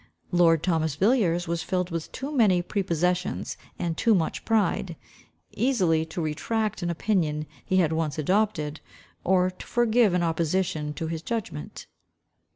Lord Thomas Villiers was filled with too many prepossessions and too much pride, easily to retract an opinion he had once adopted, or to forgive an opposition to his judgment.